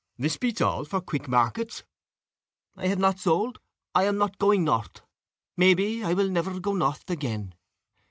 This beats all for quick markets." "I have not sold I am not going north. May pe I will never go north again.